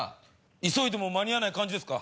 急いでも間に合わないですか？